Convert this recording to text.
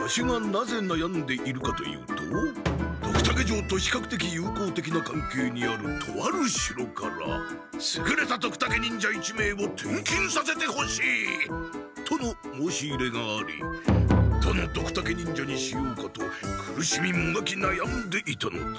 ワシがなぜなやんでいるかというとドクタケ城とひかくてきゆうこうてきなかんけいにあるとある城から「すぐれたドクタケ忍者１名を転勤させてほしい」との申し入れがありどのドクタケ忍者にしようかと苦しみもがきなやんでいたのだ。